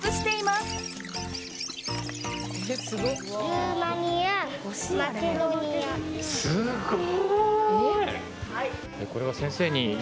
すごい！